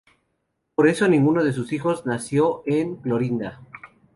Por eso ninguno de sus hijos nació en Clorinda.